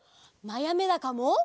まやめだかも！